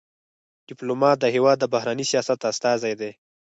ډيپلومات د هېواد د بهرني سیاست استازی دی.